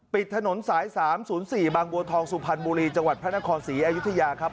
ปิดถนนสาย๓๐๔บางบัวทองสุพรรณบุรีจังหวัดพระนครศรีอยุธยาครับ